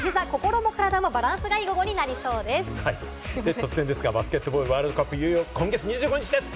突然ですが、バスケットボールワールドカップは今月２５日です。